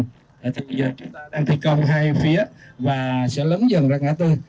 thì bây giờ chúng ta đang thi công hai phía và sẽ lấn dần ra ngã tư